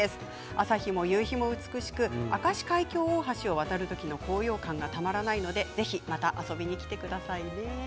朝日も夕日も美しく明石海峡大橋を渡る時の高揚感がたまらないのでぜひまた遊びに来てくださいね。